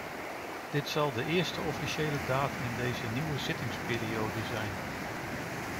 Dit zal de eerste officiële daad in deze nieuwe zittingsperiode zijn.